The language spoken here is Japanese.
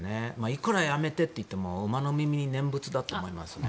いくらやめてと言っても馬の耳に念仏だと思いますね。